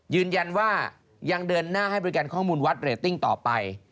ยืนยันว่ายังเดินหน้าให้บริการข้อมูลวัดเรตติ้งต่อไป